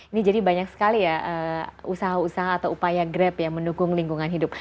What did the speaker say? ini jadi banyak sekali ya usaha usaha atau upaya grab yang mendukung lingkungan hidup